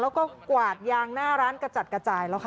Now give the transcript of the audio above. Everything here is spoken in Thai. แล้วก็กวาดยางหน้าร้านกระจัดกระจายแล้วค่ะ